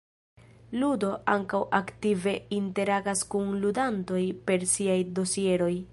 Ludo ankaŭ aktive interagas kun ludantoj per siaj dosieroj.